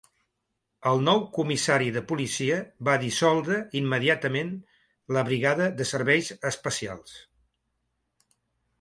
El nou comissari de policia va dissoldre immediatament la brigada de serveis espacials.